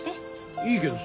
いいけどさ。